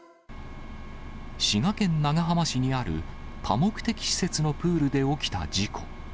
滋賀県長浜市にある多目的施設のプールで起きた事故。